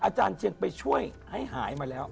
อาจารย์เชียงไปช่วยให้หายมาแล้ว